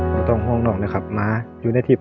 มาราคารดนตรีฟ